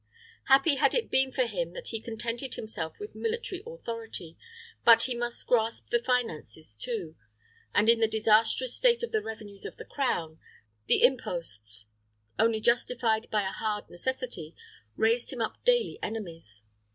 Happy had it been for him had he contented himself with military authority; but he must grasp the finances too; and in the disastrous state of the revenues of the crown, the imposts, only justified by a hard necessity, raised him up daily enemies.